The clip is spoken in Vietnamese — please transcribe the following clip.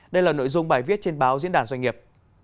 đây là nội dung bài viết trên báo diễn đàn doanh nghiệp